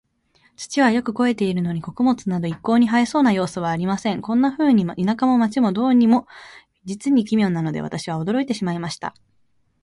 土はよく肥えているのに、穀物など一向に生えそうな様子はありません。こんなふうに、田舎も街も、どうも実に奇妙なので、私は驚いてしまいました。